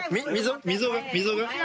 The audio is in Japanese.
・溝が。